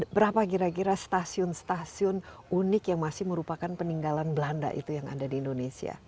berapa kira kira stasiun stasiun unik yang masih merupakan peninggalan belanda itu yang ada di indonesia